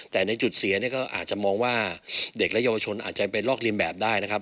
แต่ในจุดเสียเนี่ยก็อาจจะมองว่าเด็กและเยาวชนอาจจะไปลอกเรียนแบบได้นะครับ